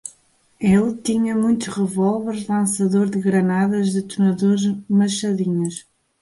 Ele tinha muitos revólveres, lançador de granadas, detonadores, machadinhas